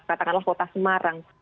katakanlah kota semarang